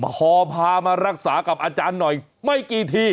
พอพามารักษากับอาจารย์หน่อยไม่กี่ที